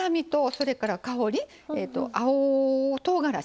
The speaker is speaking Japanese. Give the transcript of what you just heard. それから香り青とうがらし